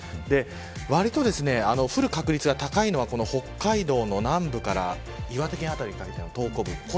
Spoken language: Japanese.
わりと降る確率が高いのは北海道の南部から岩手県辺りにかけての東北。